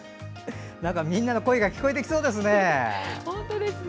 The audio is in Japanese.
みんなの声が聞こえてきそうですね。